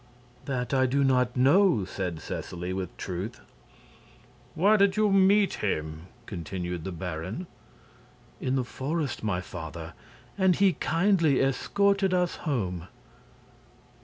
"That I do not know," said Seseley, with truth. "Where did you meet him?" continued the baron. "In the forest, my father, and he kindly escorted us home."